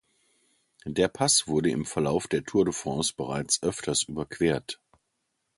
Der Pass wurde im Verlauf der Tour de France bereits öfters überquert.